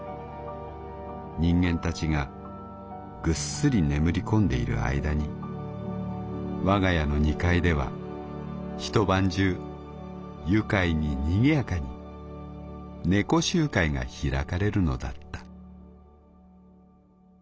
人間たちがぐっすり眠りこんでいる間に我が家の二階では一晩中愉快に賑やかに猫集会が開かれるのだった」。